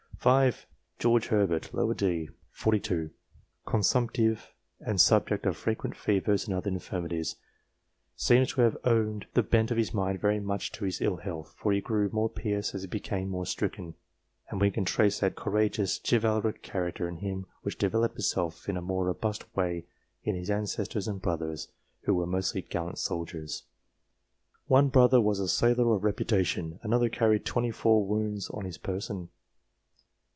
5. George Herbert, d. set. 42, consumptive, and subject to frequent fevers and other infirmities, seems to have owed the bent of his mind very much to his ill health, for he grew more pious as he became more stricken, and we can trace that courageous, chivalric character in him which developed itself in a more robust way in his ancestors and brothers, who were mostly gallant soldiers. One brother was a sailor of reputation ; another carried twenty four wounds on his person.